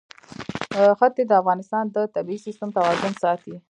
ښتې د افغانستان د طبعي سیسټم توازن ساتي.